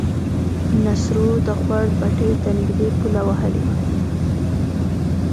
نصرو د خوړ پټيو ته نږدې پوله وهلې وه.